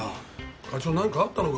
課長なんかあったのか？